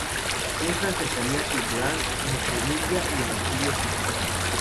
Muestran cercanía cultural entre Nubia y el Antiguo Egipto.